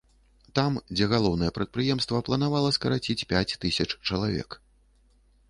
Там, дзе галоўнае прадпрыемства планавала скараціць пяць тысяч чалавек.